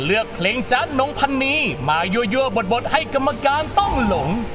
เลือกเพลงจ๊ะน้องพันนีมายั่วบดให้กรรมการต้องหลง